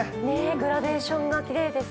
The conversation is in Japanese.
グラデーションがきれいです。